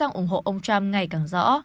tổng thống trump ủng hộ ông trump ngày càng rõ